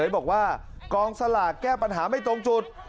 บอกว่ากองสลากแก้ปัญหาไม่ตรงจุด